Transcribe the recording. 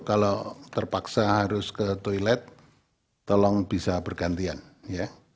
kalau terpaksa harus ke toilet tolong bisa bergantian ya